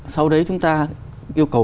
sau đấy chúng ta yêu cầu